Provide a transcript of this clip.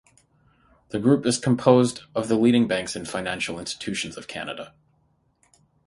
The group is composed of the leading banks and financial institutions of Canada.